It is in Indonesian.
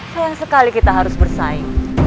sayang sekali kita harus bersaing